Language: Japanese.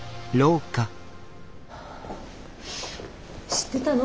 知ってたの？